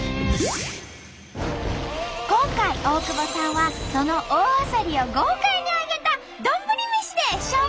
今回大久保さんはその大あさりを豪快に揚げた丼飯で勝負！